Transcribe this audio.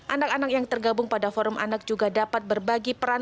anak anak yang tergabung pada forum anak juga dapat berbagi peran